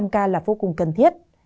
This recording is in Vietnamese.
năm k là vô cùng cần thiết